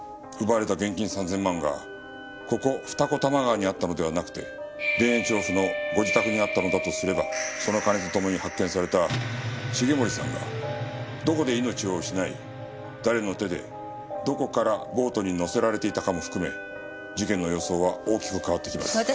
奪われた現金３０００万がここ二子玉川にあったのではなくて田園調布のご自宅にあったのだとすればその金と共に発見された重森さんがどこで命を失い誰の手でどこからボートに載せられていたかも含め事件の様相は大きく変わってきます。